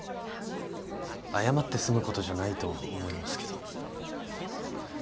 謝って済むことじゃないと思いますけど。